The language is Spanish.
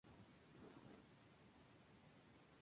Ya se apresta la Revolución francesa.